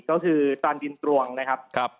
ก็คือจรรย์ดินตรวงนะครับ